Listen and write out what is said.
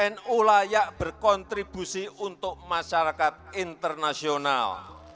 nu layak berkontribusi untuk masyarakat internasional